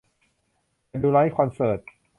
ฉันดูไลฟ์คอนเสิร์ต